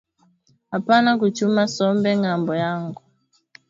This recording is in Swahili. Apana ku chuma sombe ngambo yango